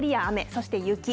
そして雪。